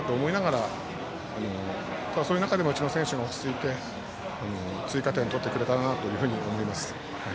でも、そういう中でもうちの選手たちも落ち着いて追加点を取ってくれたと思います。